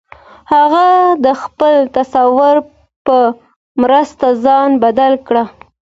هغه د خپل تصور په مرسته ځان بدل کړ